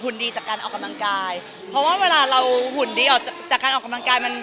หุ่นดีจากการออกกำลังกายเพราะว่าเวลาหุ่นดีจากการออกกำลังกาย